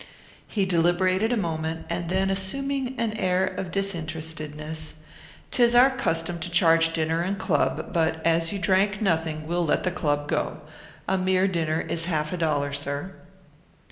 He deliberated a moment, and then, assuming an air of disinterestedness, "'Tis our custom to charge dinner and club; but, as you drank nothing, we'll let the club go. A mere dinner is half a dollar, sir."